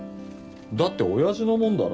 だっておやじのもんだろ。